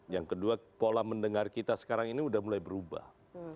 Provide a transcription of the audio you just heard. yang kedua pola mendengar kita sekarang ini sudah mulai berubah